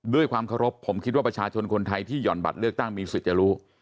ด้วยความเคารพผมคิดว่าประชาชนคนไทยที่ห่อนบัตรเลือกตั้งมีสิทธิ์จะรู้